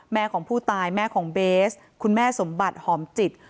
แม่ของผู้ตายแม่ของเบสคุณแม่สมบัติหอมจิต